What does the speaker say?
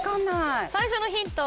最初のヒント